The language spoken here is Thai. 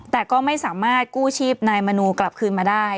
แต่ก็ไม่สามารถกู้ชีพนายมนูกลับคืนมาได้